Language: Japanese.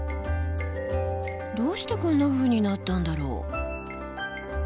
どうしてこんなふうになったんだろう？